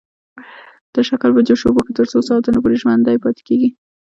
دا شکل په جوش اوبو کې تر څو ساعتونو پورې ژوندی پاتې کیږي.